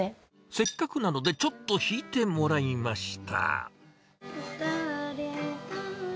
せっかくなので、ちょっと弾いてもらいました。